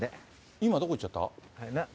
今、どこ行っちゃった？